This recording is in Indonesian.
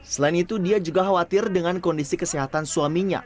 selain itu dia juga khawatir dengan kondisi kesehatan suaminya